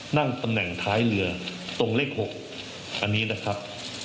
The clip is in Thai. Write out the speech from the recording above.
นั่งตำแหน่งท้ายเรือตรงเลข๖อันนี้นะครับ